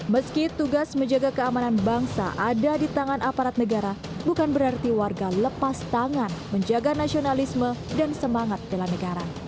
meski tugas menjaga keamanan bangsa ada di tangan aparat negara bukan berarti warga lepas tangan menjaga nasionalisme dan semangat bela negara